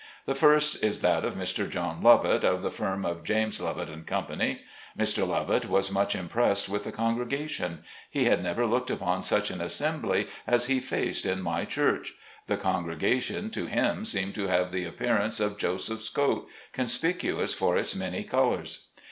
The first is that of Mr. John Lovett, of the firm of James Lovett & Company. Mr. Lovett was much impressed with the congregation ; he had never looked upon such an assembly as he faced in my 92 SLATE CABIN TO PULPIT. church. The congregation to him seemed to have the appearance of Joseph's coat, conspicuous for its many colors.